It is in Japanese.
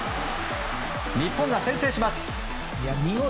日本が先制します。